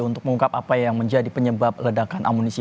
untuk mengungkap apa yang menjadi penyebab ledakan amunisi